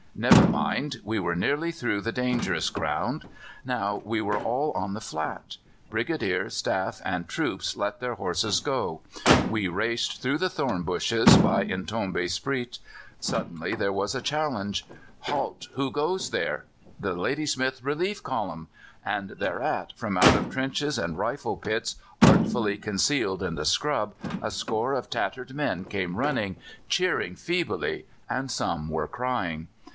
Never mind, we were nearly through the dangerous ground. Now we were all on the flat. Brigadier, staff, and troops let their horses go. We raced through the thorn bushes by Intombi Spruit. Suddenly there was a challenge: 'Halt! Who goes there?' 'The Ladysmith Relief Column.' And thereat, from out of trenches and rifle pits artfully concealed in the scrub a score of tattered men came running, cheering feebly, and some were crying.